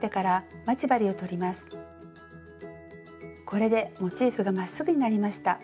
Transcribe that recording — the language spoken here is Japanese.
これでモチーフがまっすぐになりました。